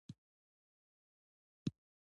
ایا ستاسو حق به ور نه کړل شي؟